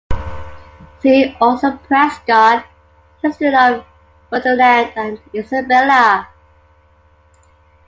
See also Prescott, "History of Ferdinand and Isabella".